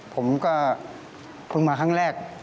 ผมก็เพิ่งมาครั้งแรก